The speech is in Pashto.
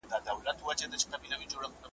تاریخ دي ماته افسانې ښکاري .